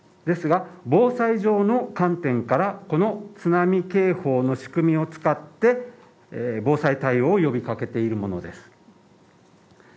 ですが、防災上の観点から、この津波警報の仕組みを使って防災対応を呼び掛けているものです。